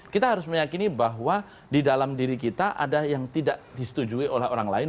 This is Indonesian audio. kita harus meyakini bahwa di dalam diri kita ada yang tidak disetujui oleh orang lain